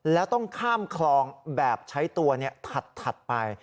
แล้วต้องข้ามคลองแบบใช้ตัวถัดไป